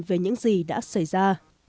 về những gì đã xảy ra